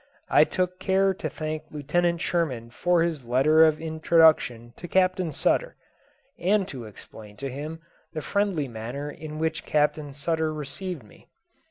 I took care to thank Lieutenant Sherman for his letter of introduction to Captain Sutter, and to explain to him the friendly manner in which Captain Sutter received me.